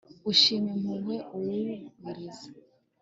ushima impuhwe uwugwiriza